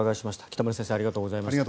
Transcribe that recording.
北村先生ありがとうございました。